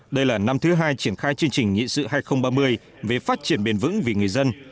đây là năm thứ hai triển khai chương trình nghị sự hai nghìn ba mươi về phát triển bền vững vì người dân